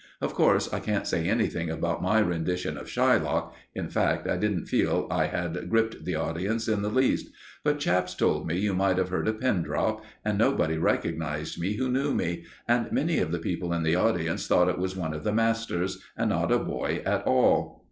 Of course, I can't say anything about my rendition of Shylock in fact, I didn't feel I had gripped the audience in the least but chaps told me you might have heard a pin drop, and nobody recognized me who knew me, and many of the people in the audience thought it was one of the masters, and not a boy at all.